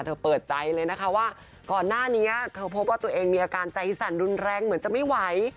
เธอเปิดใจเลยนะคะว่าก่อนหน้านี้เธอพบว่าตัวเองมีอาการใจสั่นรุนแรงเหมือนจะไม่ไหว